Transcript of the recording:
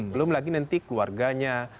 belum lagi nanti keluarganya